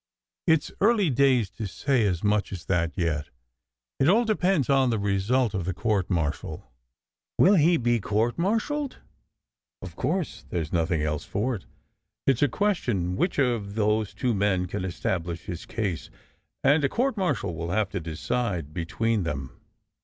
" "It s early days to say as much as that, yet. It all depends on the result of the court martial." "Will he be court martialled?" " Of course. There s nothing else for it. It s a question which of those two men can establish his case, and a court martial will have to decide between them.